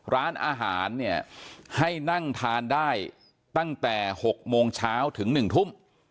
ร้านอาหารเนี่ยให้นั่งทานได้ตั้งแต่๖โมงเช้าถึง๑ทุ่ม